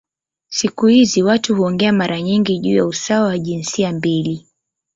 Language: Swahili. Siku hizi watu huongea mara nyingi juu ya usawa wa jinsia mbili.